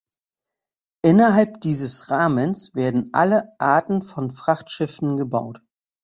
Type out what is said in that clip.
Innerhalb dieses Rahmens werden alle Arten von Frachtschiffen gebaut.